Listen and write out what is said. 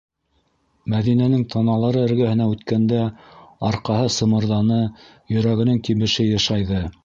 Мәҙинәнең таналары эргәһенән үткәндә арҡаһы сымырҙаны, йөрәгенең тибеше йышайҙы.